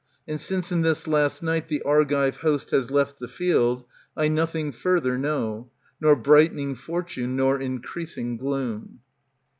And since in this last night the Argive host Has left the field, I nothing further know, Nor brightening fortune, nor increasing gloom.